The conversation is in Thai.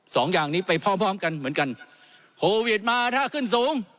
สองอย่างนี้ไปพร้อมพร้อมกันเหมือนกันโควิดมาถ้าขึ้นสูง